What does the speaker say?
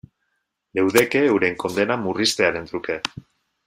Leudeke euren kondena murriztearen truke.